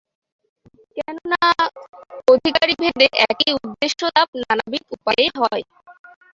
কেন না, অধিকারিভেদে একই উদ্দেশ্যলাভ নানবিধ উপায়ে হয়।